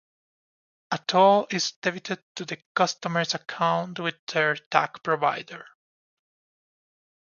A toll is debited to the customer's account with their tag provider.